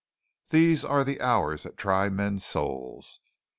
These are the hours that try men's souls.